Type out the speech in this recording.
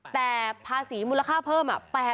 แต่ภาษีมูลค่าเพิ่ม